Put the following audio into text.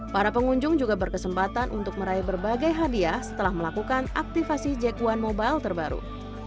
para pengunjung juga berkesempatan untuk meraih berbagai hadiah setelah melakukan aktivasi jack one mobile terbaru